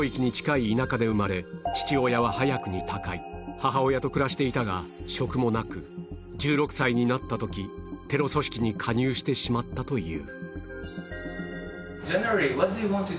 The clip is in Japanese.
母親と暮らしていたが職もなく１６歳になった時テロ組織に加入してしまったという